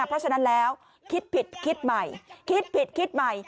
เพราะฉะนั้นแล้วคิดผิดคิดใหม่คิดผิดคิดใหม่